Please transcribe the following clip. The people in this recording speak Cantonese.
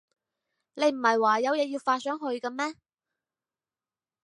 你唔喺話有嘢要發上去嘅咩？